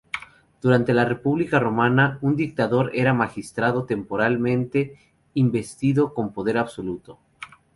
Durante la República romana, un dictador era un magistrado temporalmente investido con poder absoluto.